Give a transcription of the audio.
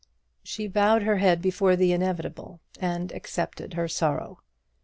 She bowed her head before the inevitable, and accepted her sorrow.